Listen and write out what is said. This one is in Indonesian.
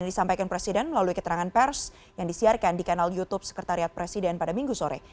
disampaikan presiden melalui keterangan pers yang disiarkan di kanal youtube sekretariat presiden pada minggu sore